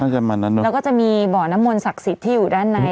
แล้วก็จะมีบ่อน้ำมนต์ศักดิ์สิทธิ์ที่อยู่ด้านใน